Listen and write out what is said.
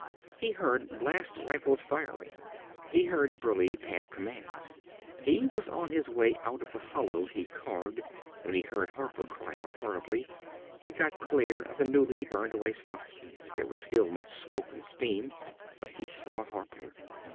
_" He heard blast rifles firing. He heard Burleigh pant commands. He was on his way out of the hollow he'd carved when he heard Harper cry out horribly. He got clear of the newly burned away stuff. There was still much smoke and stream. But he saw Harper.